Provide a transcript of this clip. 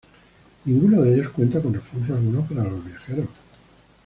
Ninguno de ellos cuenta con refugio alguno para los viajeros.